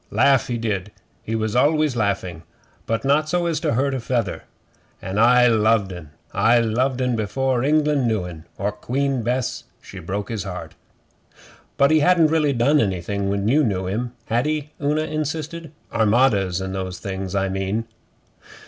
Laugh he did he was always laughing but not so as to hurt a feather. An' I loved 'en. I loved 'en before England knew 'en, or Queen Bess she broke his heart.' 'But he hadn't really done anything when you knew him, had he?' Una insisted. 'Armadas and those things, I mean.